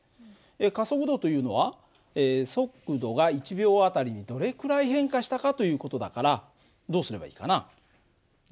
加速度というのは速度が１秒あたりにどれくらい変化したかという事だからどうすればいいかな？